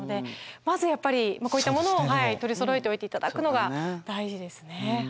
まずやっぱりこういったものを取りそろえておいて頂くのが大事ですね。